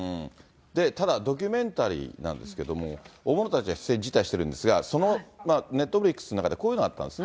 ただ、ドキュメンタリーなんですけれども、大物たちは出演辞退してるんですが、そのネットフリックスの中でこういうのがあったんですね。